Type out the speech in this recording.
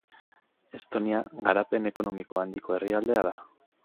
Estonia garapen ekonomiko handiko herrialdea da.